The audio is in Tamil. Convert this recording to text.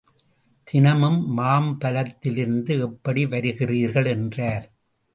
தினமும் மாம்பலத்திலிருந்து எப்படி வருகிறீர்கள்? என்றார்.